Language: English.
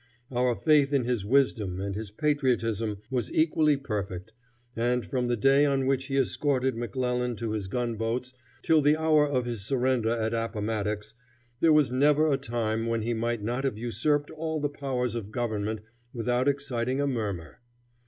Our faith in his wisdom and his patriotism was equally perfect, and from the day on which he escorted McClellan to his gun boats till the hour of his surrender at Appomattox, there was never a time when he might not have usurped all the powers of government without exciting a murmur.